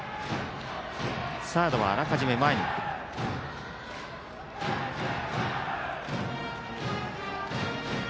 サードはあらかじめ前に来ている。